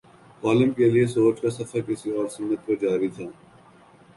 Column کے لیے سوچ کا سفر کسی اور سمت میں جاری تھا۔